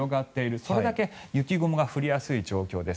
それだけ雪雲が降りやすい状況です。